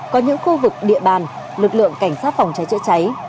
có những khu vực địa bàn lực lượng cảnh sát phòng cháy chữa cháy